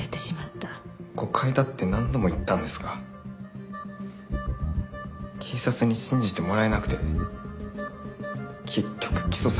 誤解だって何度も言ったんですが警察に信じてもらえなくて結局起訴されて。